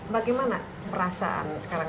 bagaimana perasaan sekarang